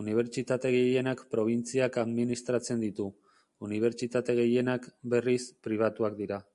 Unibertsitate gehienak probintziak administratzen ditu; unibertsitate gehienak, berriz, pribatuak dira.